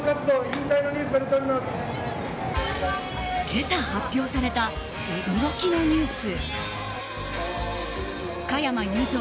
今朝発表された驚きのニュース。